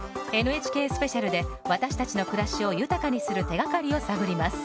「ＮＨＫスペシャル」で私たちの暮らしを豊かにする手がかりを探ります。